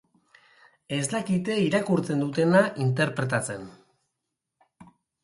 Ez dakite irakurtzen dutena interpretatzen.